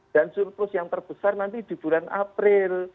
dan surplus yang terbesar nanti di bulan april